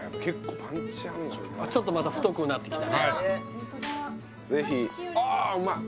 ちょっとまた太くなってきたねはい